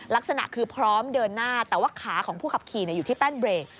ลักษณะคือพร้อมเดินหน้าแต่ว่าขาของผู้ขับขี่อยู่ที่แป้นเบรก